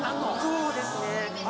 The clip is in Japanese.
そうですね。